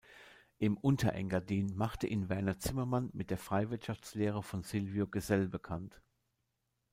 Im Unterengadin machte ihn Werner Zimmermann mit der Freiwirtschaftslehre von Silvio Gesell bekannt.